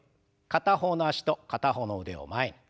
片方の脚と片方の腕を前に。